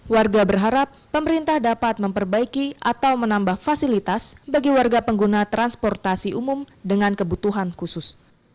warga berharap pemerintah dapat memperbaiki atau menambah fasilitas bagi warga pengguna transportasi umum dengan kebutuhan khusus